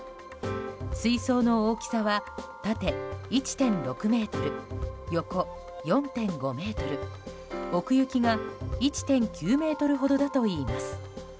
水槽の大きさは縦１．６ｍ、横４．５ｍ奥行きが１．９ｍほどだといいます。